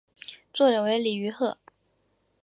作者为李愚赫。